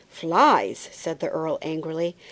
"Flies!" said the earl, angrily.